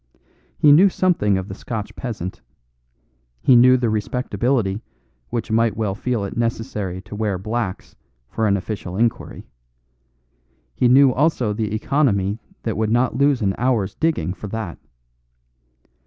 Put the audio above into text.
He knew something of the Scotch peasant; he knew the respectability which might well feel it necessary to wear "blacks" for an official inquiry; he knew also the economy that would not lose an hour's digging for that.